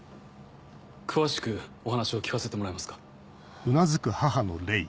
詳しくお話を聞かせてもらえますか？